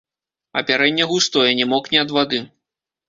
Апярэнне густое, не мокне ад вады.